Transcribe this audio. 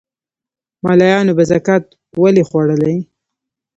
مُلایانو به زکات ولي خوړلای